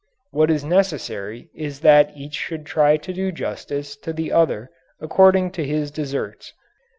What is necessary is that each should try to do justice to the other according to his deserts.